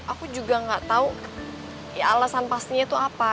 aku juga gak tau alasan pastinya tuh apa